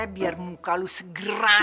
biar muka lo segera